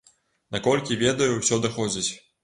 Наколькі ведаю, усё даходзіць.